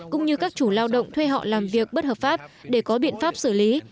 cũng như các chủ lao động thuê họ làm việc bất hợp pháp để có biện pháp xử lý